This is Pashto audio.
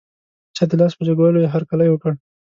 چا د لاس په جګولو یې هر کلی وکړ.